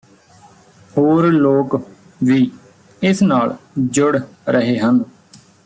ਹੋਰ ਲੋਕ ਵੀ ਇਸ ਨਾਲ ਜੁੜ ਰਹੇ ਹਨ